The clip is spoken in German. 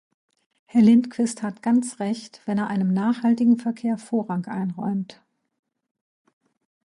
Herr Lindqvist hat ganz recht, wenn er einem nachhaltigen Verkehr Vorrang einräumt.